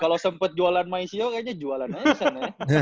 kalo sempet jualan maizio kayaknya jualan aja sih